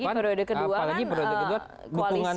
apalagi periode kedua kan koalisi lebih besar kan